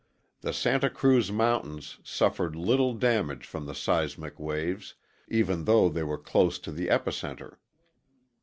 The Santa Cruz mountains suffered little damage from the seismic waves, even though they were close to the epicenter.